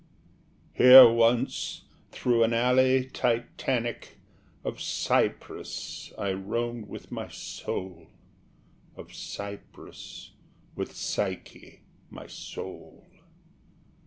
Here once, through an alley Titanic, Of cypress, I roamed with my Soul Of cypress, with Psyche, my Soul.